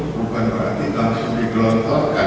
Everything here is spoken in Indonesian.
bukan berarti langsung digelontorkan